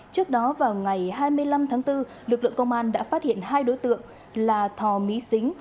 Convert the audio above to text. trước đó vào ngày hai mươi năm tháng bốn lực lượng công an đã phát hiện hai đối tượng là thò mỹ xính